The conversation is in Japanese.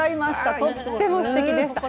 とってもすてきでした。